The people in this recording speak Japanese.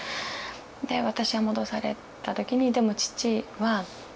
で私は戻された時にでも父は。